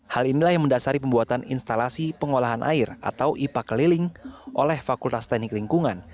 hal inilah yang mendasari pembuatan instalasi pengolahan air atau ipa keliling oleh fakultas teknik lingkungan